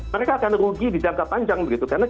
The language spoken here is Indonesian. mereka akan rugi di jangka panjang